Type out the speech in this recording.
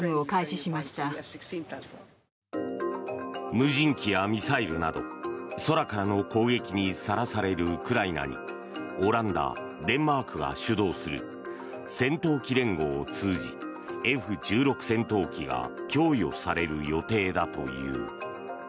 無人機やミサイルなど空からの攻撃にさらされるウクライナにオランダ、デンマークが主導する戦闘機連合を通じＦ１６戦闘機が供与される予定だという。